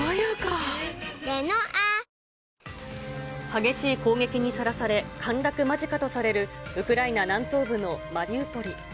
激しい攻撃にさらされ、陥落間近とされるウクライナ南東部のマリウポリ。